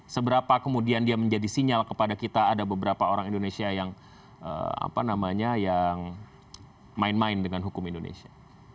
seberapa kemudian dia menjadi sinyal kepada kita ada beberapa orang indonesia yang main main dengan hukum indonesia